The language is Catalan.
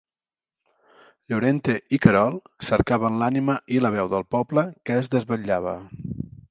Llorente i Querol cercaren l'ànima i la veu del poble que es desvetllava.